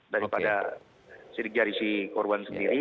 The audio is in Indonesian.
daripada sidik jari si korban sendiri